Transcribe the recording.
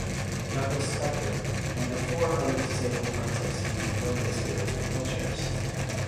Douglas Spector and the four other disabled plaintiffs use mobility scooters and wheelchairs.